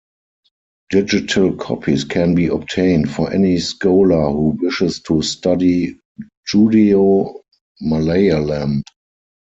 Digital copies can be obtained for any scholar who wishes to study Judeo-Malayalam.